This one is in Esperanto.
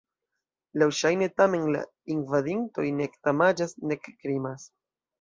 Laŭŝajne, tamen, la invadintoj nek damaĝas nek krimas.